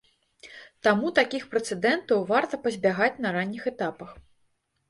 Таму такіх прэцэдэнтаў варта пазбягаць на ранніх этапах.